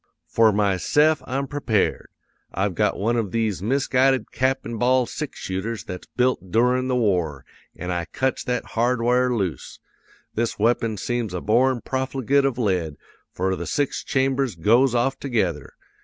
"'For myse'f I'm prepared. I've got one of these misguided cap an' ball six shooters that's built doorin' the war; an' I cuts that hardware loose! This weapon seems a born profligate of lead, for the six chambers goes off together.